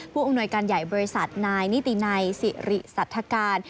ผู้อำนวยการใหญ่บริษัทนายนิตินัยสิริสัทธการ